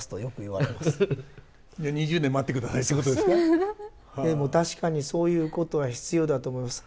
でも確かにそういうことは必要だと思います。